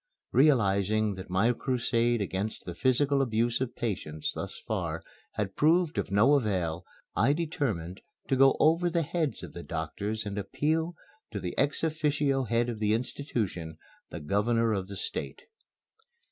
Realizing that my crusade against the physical abuse of patients thus far had proved of no avail, I determined to go over the heads of the doctors and appeal to the ex officio head of the institution, the Governor of the State.